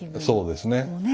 そうですね。